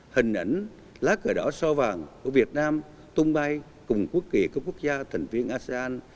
hình ảnh lá cờ đỏ sao vàng của việt nam tung bay cùng quốc kỳ các quốc gia thành viên asean